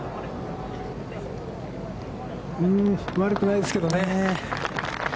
悪くないですけどね。